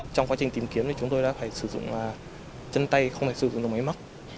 trong quá trình tìm kiếm thì chúng tôi đã phải sử dụng chân tay không phải sử dụng được máy móc